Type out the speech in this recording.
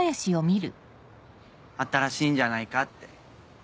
新しいんじゃないかって。